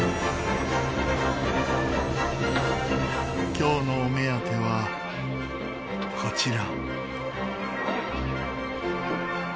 今日のお目当てはこちら。